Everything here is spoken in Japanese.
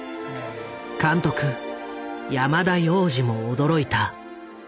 監督山田洋次も驚いた。